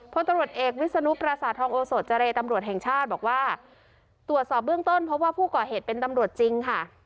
พลตำรวจเอกวิศนุปราสาททองโอโสเจรตำรวจแห่งชาติบอกว่าตรวจสอบเบื้องต้นพบว่าผู้ก่อเหตุเป็นตำรวจจริงค่ะ